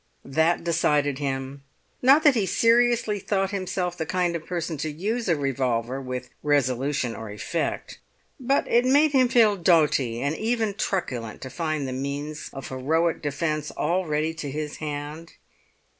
That decided him. Not that he seriously thought himself the kind of person to use a revolver with resolution or effect; but it made him feel doughty and even truculent to find the means of heroic defence all ready to his hand.